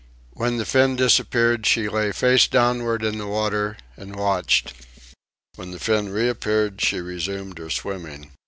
When the fin disappeared, she lay face downward in the water and watched. When the fin reappeared she resumed her swimming.